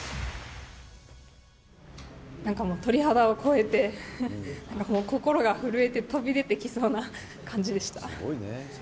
なんかもう、鳥肌を超えて、心が震えて、飛び出てきそうな感じでした。